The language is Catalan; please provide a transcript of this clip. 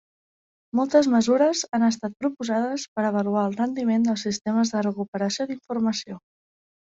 Moltes mesures han estat proposades per avaluar el rendiment dels sistemes de recuperació d'informació.